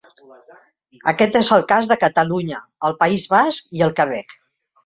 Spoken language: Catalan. Aquest és el cas de Catalunya, el País Basc i el Quebec.